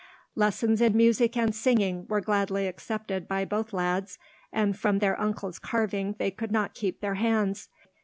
Lessons in music and singing were gladly accepted by both lads, and from their uncle's carving they could not keep their hands.